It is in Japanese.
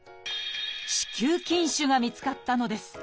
「子宮筋腫」が見つかったのです。